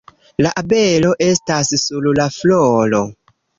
La abelo estas sur la floro